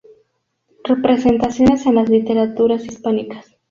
Representaciones en las literaturas hispánicas.